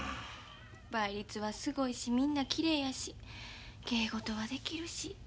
倍率はすごいしみんなきれいやし芸事はできるし。